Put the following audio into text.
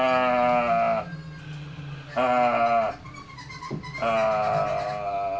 ああ。